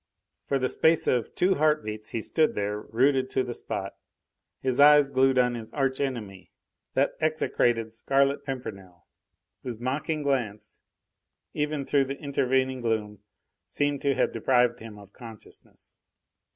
For the space of two heart beats he stood there, rooted to the spot, his eyes glued on his arch enemy, that execrated Scarlet Pimpernel, whose mocking glance, even through the intervening gloom, seemed to have deprived him of consciousness.